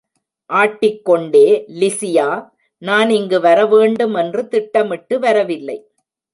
Attic கொண்டே லிசியா, நான் இங்கு வர வேண்டும் என்று திட்டமிட்டு வரவில்லை.